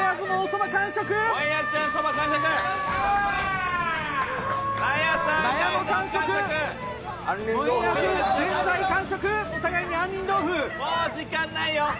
もう時間ないよ。